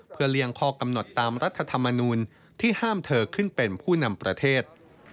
เพื่อเลี่ยงข้อกำหนดตามรัฐธรรมนูลที่ห้ามเธอขึ้นเป็นผู้นำประเทศ